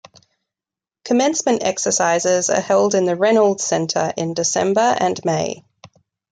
Commencement exercises are held in the Reynolds Center in December and May.